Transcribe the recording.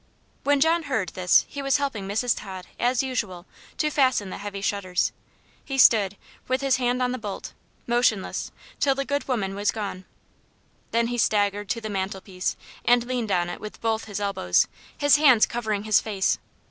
When John heard this he was helping Mrs. Tod, as usual, to fasten the heavy shutters. He stood, with his hand on the bolt, motionless, till the good woman was gone. Then he staggered to the mantelpiece, and leaned on it with both his elbows, his hands covering his face.